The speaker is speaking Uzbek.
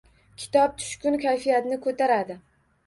Kitob tushkun kayfiyatni koʻtaradi